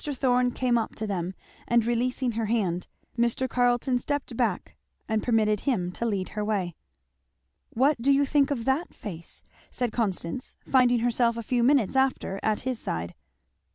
Thorn came up to them, and releasing her hand Mr. Carleton stepped back and permitted him to lead her away. "What do think of that face?" said Constance finding herself a few minutes after at his side.